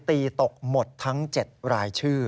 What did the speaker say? ตีตกหมดทั้ง๗รายชื่อ